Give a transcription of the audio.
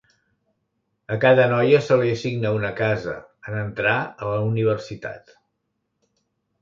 A cada noia se li assigna una casa en entrar a la universitat.